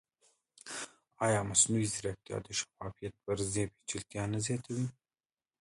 ایا مصنوعي ځیرکتیا د شفافیت پر ځای پېچلتیا نه زیاتوي؟